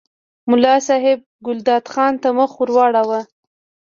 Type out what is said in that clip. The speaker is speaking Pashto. ملا صاحب ګلداد خان ته مخ ور واړاوه.